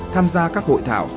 tham gia các hội thảo